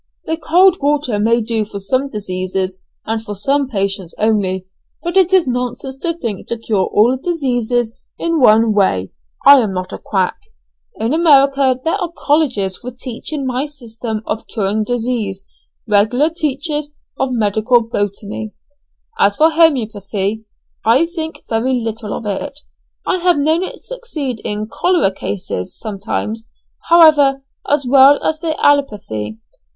"The cold water may do for some diseases and for some patients only, but it is nonsense to think to cure all diseases in one way. I am not a quack. In America there are colleges for teaching my system of curing disease, regular teachers of medical botany. As for homoeopathy, I think very little of it. I have known it succeed in cholera cases sometimes, however, as well as the allopathy.